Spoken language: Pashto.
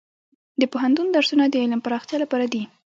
د پوهنتون درسونه د علم پراختیا لپاره دي.